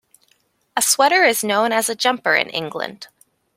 A sweater is known as a jumper in England.